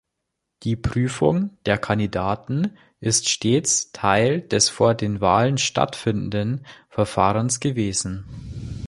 Die Prüfung der Kandidaten ist stets Teil des vor den Wahlen stattfindenden Verfahrens gewesen.